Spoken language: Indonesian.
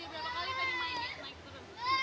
kamu kenapa sih suka main yang ini